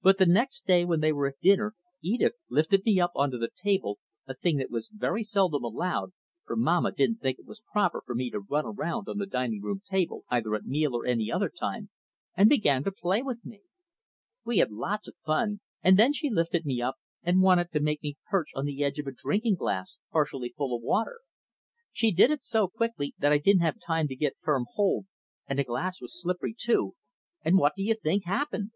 But the next day when they were at dinner Edith lifted me onto the table a thing that was very seldom allowed, for Mamma didn't think it was proper for me to run around on the dining table, either at meal or any other time and began to play with me. We had lots of fun, and then she lifted me up and wanted to make me perch on the edge of a drinking glass partially full of water. She did it so quickly that I didn't have time to get firm hold, and the glass was slippery, too, and what do you think happened?